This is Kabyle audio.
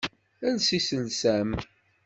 Els iselsa-m!